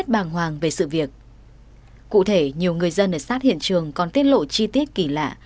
bàng hoàng về sự việc cụ thể nhiều người dân ở sát hiện trường còn tiết lộ chi tiết kỳ lạ